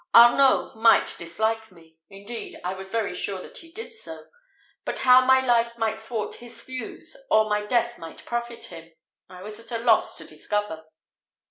Arnault might dislike me indeed, I was very sure that he did so but how my life might thwart his views, or my death might profit him, I was at a loss to discover.